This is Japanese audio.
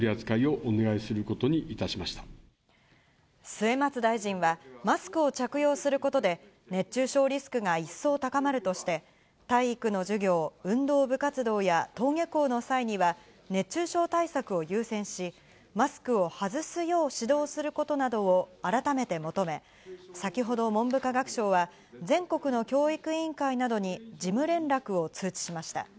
末松大臣は、マスクを着用することで熱中症リスクが一層高まるとして、体育の授業、運動部活動、登下校の際には熱中症対策を優先し、マスクを外すよう指導することなどを改めて求め、先ほど文部科学省は全国の教育委員会などに事務連絡を通知しました。